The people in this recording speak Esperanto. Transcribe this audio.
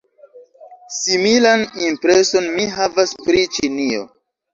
Similan impreson mi havas pri Ĉinio.